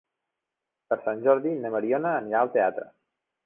Per Sant Jordi na Mariona anirà al teatre.